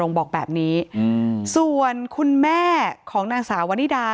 ของครอบครัวนางสาววนิดา